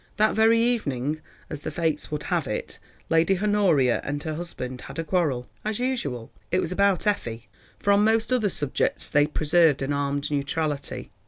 That very evening, as the Fates would have it, Lady Honoria and her husband had a quarrel. As usual, it was about Effie, for on most other subjects they preserved an armed neutrality.